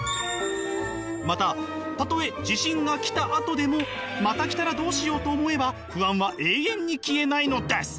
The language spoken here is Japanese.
またたとえ地震が来たあとでもまた来たらどうしようと思えば不安は永遠に消えないのです。